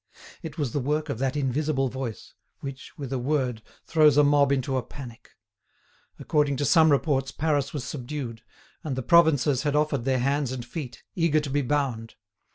It was the work of that invisible voice, which, with a word, throws a mob into a panic. According to some reports Paris was subdued, and the provinces had offered their hands and feet, eager to be bound.